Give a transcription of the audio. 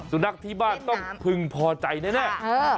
สุนัขที่บ้านต้องพึงพอใจแน่